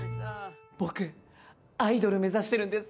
僕アイドル目指してるんです。